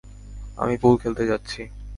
আমি পুল খেলতে যাচ্ছি!